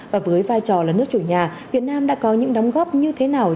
và với vai trò là nước chủ nhà việt nam đã có những đóng góp như thế nào